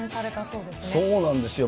そうなんですよ。